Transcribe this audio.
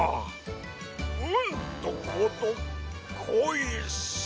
うんとこどっこいシャ！